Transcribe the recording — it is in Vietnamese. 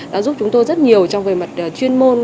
đã giúp chúng tôi rất nhiều trong về mặt chuyên môn